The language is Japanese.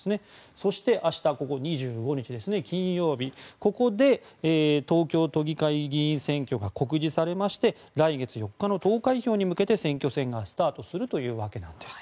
そして明日２５日金曜日、ここで東京都議会議員選挙が告示されまして来月４日の投開票に向けて選挙戦がスタートするというわけなんです。